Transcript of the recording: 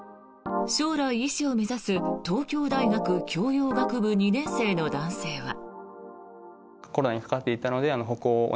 将来、医師を目指す東京大学教養学部２年生の男性は。